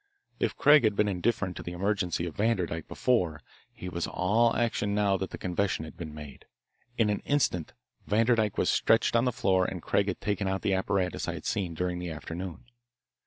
If Craig had been indifferent to the emergency of Vanderdyke before, he was all action now that the confession had been made. In an instant Vanderdyke was stretched on the floor and Craig had taken out the apparatus I had seen during the afternoon.